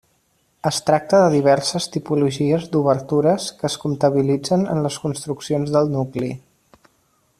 Es tracta de diverses tipologies d'obertures que es comptabilitzen en les construccions del nucli.